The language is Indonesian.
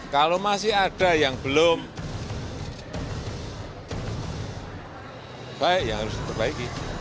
kalau masih ada yang belum baik ya harus diperbaiki